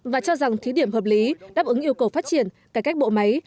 và cho rằng thí điểm hợp lý đáp ứng yêu cầu phát triển cải cách bộ máy